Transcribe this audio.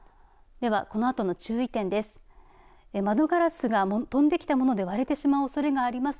では、このあとの注意点です。